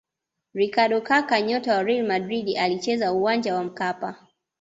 ricardo kaka nyota wa real madrid alicheza uwanja wa mkapa